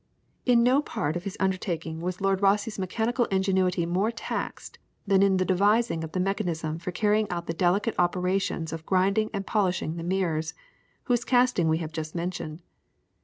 In no part of his undertaking was Lord Rosse's mechanical ingenuity more taxed than in the devising of the mechanism for carrying out the delicate operations of grinding and polishing the mirrors, whose casting we have just mentioned.